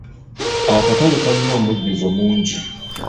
Akatale kajlina omujjuzo mungi.